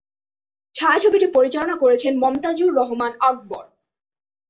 ছায়াছবিটি পরিচালনা করেছেন মনতাজুর রহমান আকবর।